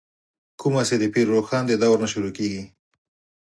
کومه چې دَپير روښان ددورنه شروع کيږې